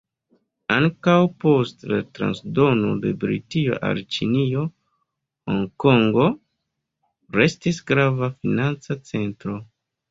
Ankaŭ post la transdono de Britio al Ĉinio, Honkongo restis grava financa centro.